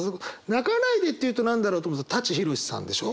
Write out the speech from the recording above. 泣かないでって言うと何だろうと思うと舘ひろしさんでしょ？